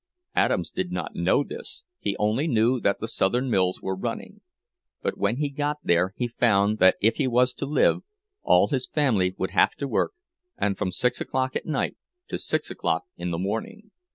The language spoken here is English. Adams did not know this, he only knew that the Southern mills were running; but when he got there he found that if he was to live, all his family would have to work, and from six o'clock at night to six o'clock in the morning.